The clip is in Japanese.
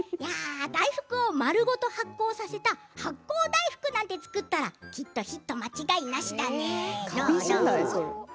大福を丸ごと発酵させた発酵大福を作ったらきっとヒット間違いなし。